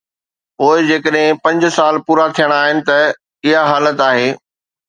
پوءِ جيڪڏهن پنج سال پورا ٿيڻا آهن ته اها حالت آهي.